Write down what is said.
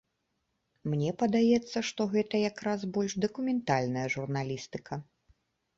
Мне падаецца, што гэта якраз больш дакументальная журналістыка.